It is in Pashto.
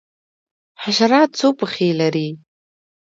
حشرات څو پښې لري؟